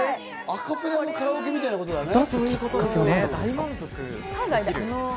アカペラのカラオケみたいなことだね。